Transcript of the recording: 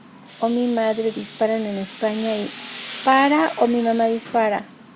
O mi madre dispara en España, y ¡Para o mi mamá dispara!